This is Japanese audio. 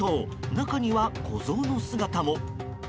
中には子ゾウの姿も。